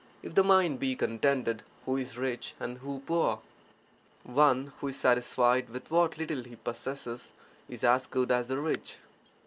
If the mind be contended, who is rich and who poor? [One who is satisfied with what little he possesses is as good as the rich.